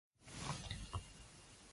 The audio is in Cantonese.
今晚打牌